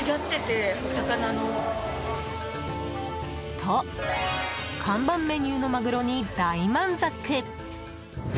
と、看板メニューのマグロに大満足。